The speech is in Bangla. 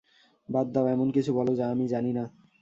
বাদ দাও, এমন কিছু বলো যা আমি জানি না।